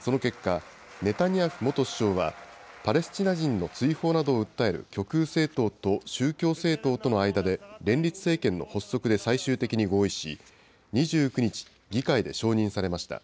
その結果、ネタニヤフ元首相はパレスチナ人の追放などを訴える極右政党と宗教政党との間で連立政権の発足で最終的に合意し、２９日、議会で承認されました。